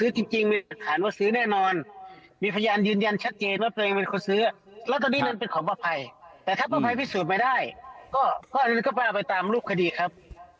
ทนายเกิดผลครับ